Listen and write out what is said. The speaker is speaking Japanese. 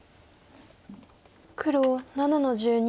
黒７の十二。